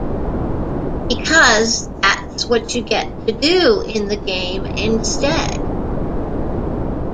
Because that's what you get to do in the game instead.